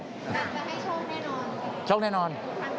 มันจะให้โชคแน่นอน